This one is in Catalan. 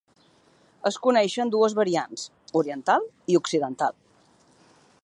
Es coneixen dues variants: oriental i occidental.